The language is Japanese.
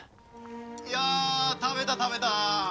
いやあ食べた食べた！